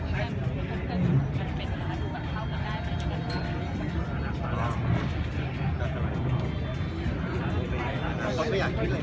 แม่กับผู้วิทยาลัย